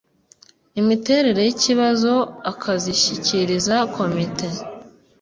imiterere y’ikibazo akazishyikiriza komite